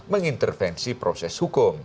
mengintervensi proses hukum